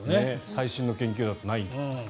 最新の研究だとないんだそうです。